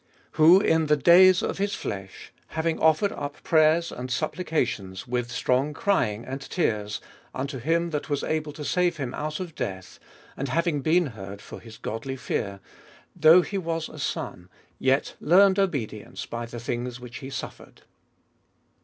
Who in the days of his flesh, having offered up prayers and supplica tions, with strong crying and tears, unto him that was able to save him out of death, and having been heard for his godly fear, 8. Though he was a Son, yet learned obedience by the things which he suffered.